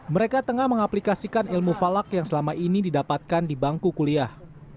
mereka tengah mengaplikasikan ilmu falak yang selama ini didapatkan di bangku kuliah